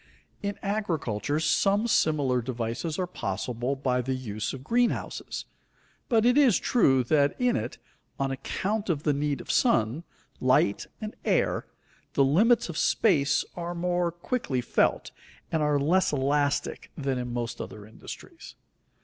In agriculture some similar devices are possible by the use of greenhouses, but it is true that in it, on account of the need of sun, light, and air, the limits of space are more quickly felt, and are less elastic than in most other industries.